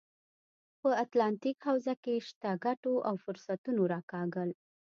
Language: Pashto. په اتلانتیک حوزه کې شته ګټو او فرصتونو راکاږل.